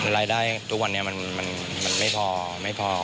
รายได้ทุกวันนี้มันไม่พอไม่พอ